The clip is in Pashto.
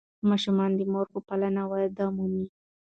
ماشومان د مور په پالنه وده مومي.